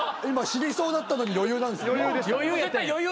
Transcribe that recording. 今死にそうだったのに４Ｕなんですね。